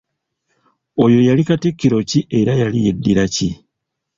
Oyo yali Katikkiro ki era yali yeddira ki?